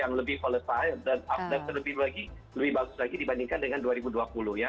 yang lebih volatile dan lebih bagus lagi dibandingkan dengan dua ribu dua puluh ya